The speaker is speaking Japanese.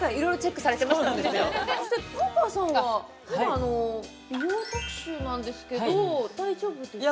そしてパーパーさんは今日あの美容特集なんですけど大丈夫ですか？